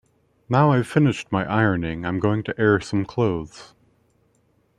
Now I've finished my ironing, I'm going to air some clothes.